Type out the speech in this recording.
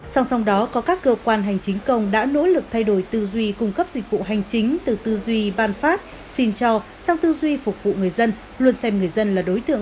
song song đó có các cơ quan hành chính công đã nỗ lực thay đổi tư duy cung cấp dịch vụ hành chính từ tư duy ban phát xin cho sang tư duy phục vụ người dân